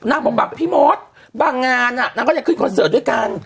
นักบอกแบบพี่มอสบางงานนักก็เลยขึ้นคอนเสิร์ตด้วยกัน